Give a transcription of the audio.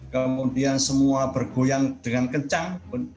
kemudian semua bergoyang dengan kencang